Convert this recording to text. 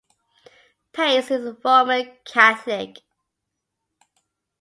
Pace is a Roman Catholic.